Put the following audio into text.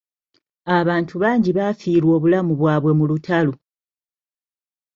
Abantu bangi baafiirwa obulamu bwabwe mu lutalo.